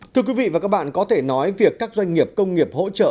thưa quý vị và các bạn có thể nói việc các doanh nghiệp công nghiệp hỗ trợ